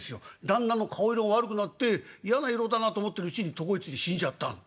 旦那の顔色が悪くなって嫌な色だなと思ってるうちに床へついて死んじゃったの」。